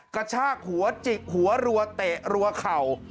กระชากหัวจิกหัวรัวเตะรัวเข่า